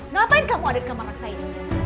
ngapain kamu ada di kamar anak saya